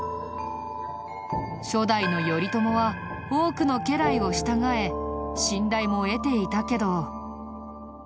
初代の頼朝は多くの家来を従え信頼も得ていたけど。